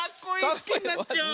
すきになっちゃう！